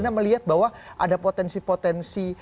anda melihat bahwa ada potensi potensi